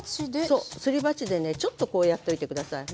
そうすり鉢でねちょっとこうやっといて下さい。